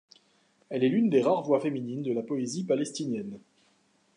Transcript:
Elle est l'une des rares voix féminines de la poésie palestinienne.